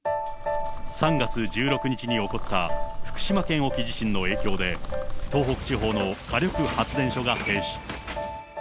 ３月１６日に起こった福島県沖地震の影響で、東北地方の火力発電所が停止。